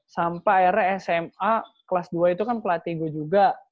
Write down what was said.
sampai akhirnya sma kelas dua itu kan kelas tiga gue juga